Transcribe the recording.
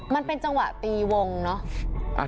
มันเป็นจังหวะตีวงเนอะ